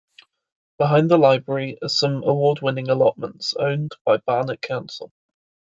Behind the library are some award-winning allotments, owned by Barnet Council.